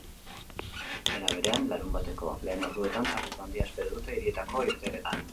Era berean, larunbateko lehen orduetan trafiko handia espero dute hirietako irteeretan.